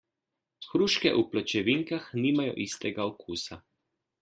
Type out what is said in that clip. Hruške v pločevinkah nimajo istega okusa.